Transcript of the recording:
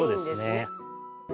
そうですね。